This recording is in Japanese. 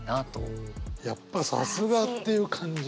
やっぱさすがっていう感じ。